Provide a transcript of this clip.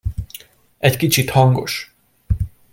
Egy kicsit hangos!